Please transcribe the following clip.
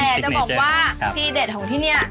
แต่จะบอกว่าทีเด็ดของที่นี่